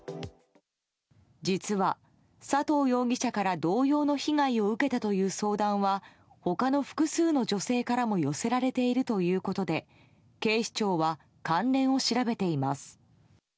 実は、佐藤容疑者から同様の被害を受けたという相談は他の複数の女性からも寄せられているということで警視庁は関連を調べています。